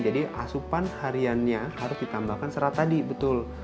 asupan hariannya harus ditambahkan serat tadi betul